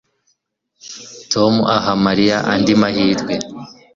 Tom aha Mariya andi mahirwe